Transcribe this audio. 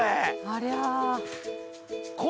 ありゃ。